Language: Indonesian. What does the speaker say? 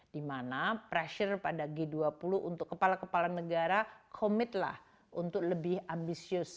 dimana pressure pada g dua puluh untuk kepala kepala negara komit lah untuk lebih ambisius